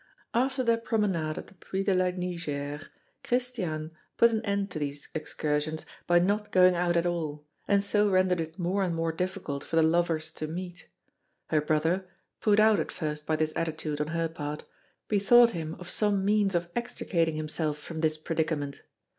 After their promenade at the Puy de la Nugère, Christiane put an end to these excursions by not going out at all, and so rendered it more and more difficult for the lovers to meet. Her brother, put out at first by this attitude on her part, bethought him of some means of extricating himself from this predicament.